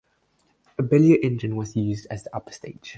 A Belier engine was used as the upper stage.